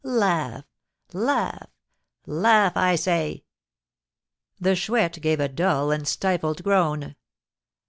Laugh! Laugh! Laugh, I say!" The Chouette gave a dull and stifled groan.